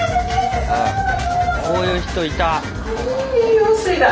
こういう人いた！